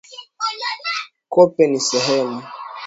Kope ni sehemu.